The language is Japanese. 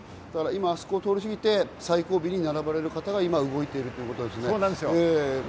今通り過ぎて最後尾に並ばれる方がいま動いてるということですね。